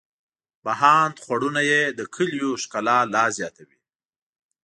بهاند خوړونه یې د کلیو ښکلا لا زیاتوي.